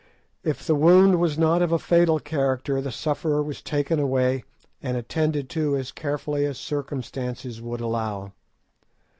If the wound was not of a fatal character the sufferer was taken away and attended to as carefully as circumstances would allow.